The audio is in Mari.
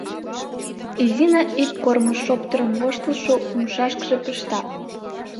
— Изина ик кормыж шоптырым воштылшо умшашкыже пышта.